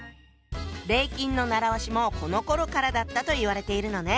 「礼金」の習わしもこのころからだったと言われているのね。